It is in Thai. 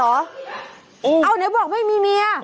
อ้าวอ้าวนี่บอกไม่มีเมีย